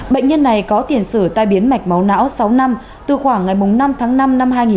bệnh nhân này có tiền sử tai biến mạch máu não sáu năm từ khoảng ngày năm tháng năm năm hai nghìn một mươi ba